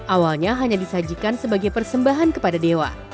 awalnya hanya disajikan sebagai persembahan kepada dewa